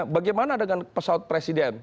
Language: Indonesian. bagaimana dengan pesawat presiden